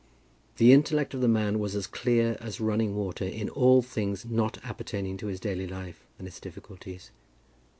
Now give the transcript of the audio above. The intellect of the man was as clear as running water in all things not appertaining to his daily life and its difficulties.